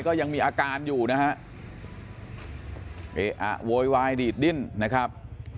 ก็ยังมีอาการอยู่นะครับโวยวายดีดิ้นนะครับ